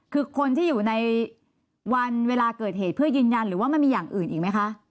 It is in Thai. คือคนที่อยู่ในวันเวลาเกิดเหตุเพื่อยืนยันหรือว่ามันมีอย่างอื่นอีกไหมคะ